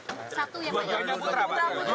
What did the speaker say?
satu ya pak